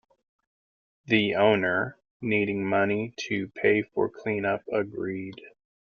The owner, needing money to pay for cleanup, agreed.